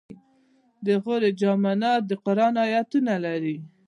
د غور جام منار د قرآن آیتونه لري